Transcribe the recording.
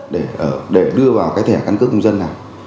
để đưa vào cái thẻ căn cước công dân này